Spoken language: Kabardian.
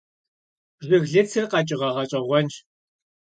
Жыглыцыр къэкӀыгъэ гъэщӀэгъуэнщ.